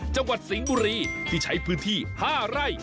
จังหวัดสิงห์บุรีที่ใช้พื้นที่๕ไร่